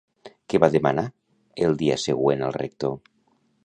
Què va demanar el dia següent al rector?